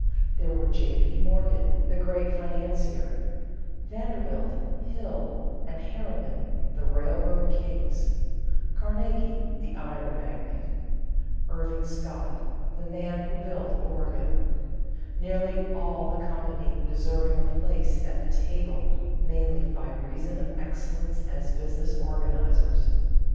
There were J. P. Morgan, the great financier; Vanderbilt, Hill, and Harriman, the railroad kings; Carnegie, the iron magnate; Irving Scott, "the man who built the Oregon" nearly all the company deserving a place at the table mainly by reason of excellence as business organizers.